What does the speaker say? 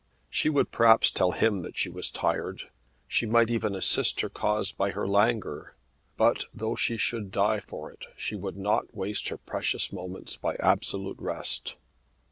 She would perhaps tell him that she was tired. She might even assist her cause by her languor; but, though she should die for it, she would not waste her precious moments by absolute rest.